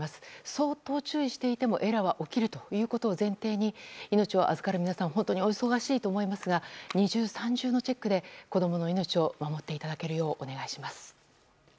相当、注意していてもエラーは起きるということを前提に命を預かる皆さんはお忙しいと思いますが二重三重のチェックで子供の命を守っていただけるようお願いします。